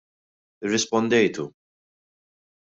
Irrispondejtu.